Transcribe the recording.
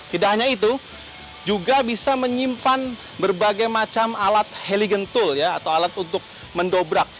tidak hanya itu juga bisa menyimpan berbagai macam alat heli gentul atau alat untuk mendobrak